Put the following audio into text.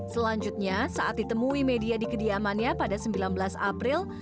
selanjutnya saat ditemui media di kediamannya pada sembilan belas april